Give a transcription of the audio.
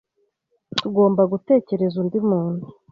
Tugomba gutekereza undi muntu